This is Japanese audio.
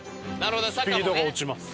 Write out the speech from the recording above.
スピードが落ちます。